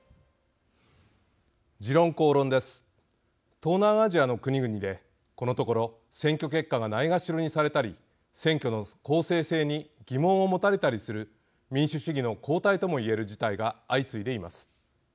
東南アジアの国々でこのところ選挙結果がないがしろにされたり選挙の公正性に疑問を持たれたりする民主主義の後退とも言える事態が相次いでいます。